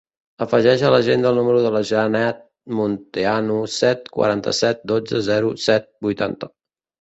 Afegeix a l'agenda el número de la Janat Munteanu: set, quaranta-set, dotze, zero, set, vuitanta.